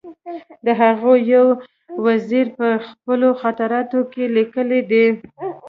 د هغه یو وزیر په خپلو خاطراتو کې لیکلي دي.